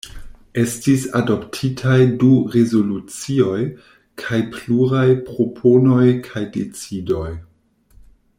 Estis adoptitaj du rezolucioj kaj pluraj proponoj kaj decidoj.